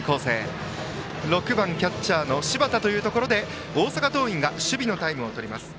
バッターが６番キャッチャーの柴田というところで大阪桐蔭、守備のタイムです。